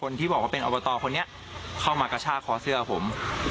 ที่บอกว่าเป็นอบตคนนี้เข้ามากระชากคอเสื้อผม